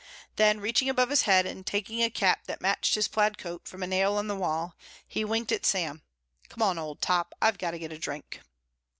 Then reaching above his head and taking a cap that matched his plaid coat from a nail on the wall, he winked at Sam. "Come on, Old Top. I've got to get a drink."